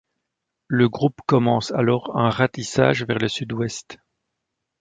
Le groupe commence alors un ratissage vers le sud-ouest.